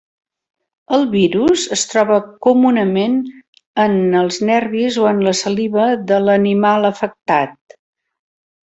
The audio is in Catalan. El virus es troba comunament en els nervis o en la saliva de l'animal afectat.